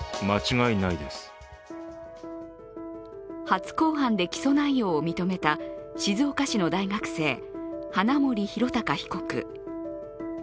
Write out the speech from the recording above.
初公判で起訴内容を認めた静岡市の大学生、花森弘卓被告。